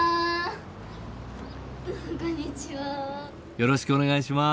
よろしくお願いします。